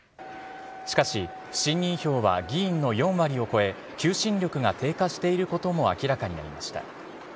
しかし、不信任票は議員の４割を超え、求心力が低下していることも明らかになりました。